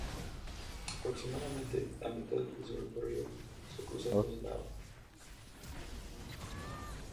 Aproximadamente a mitad de su recorrido, se cruza con la Ctra.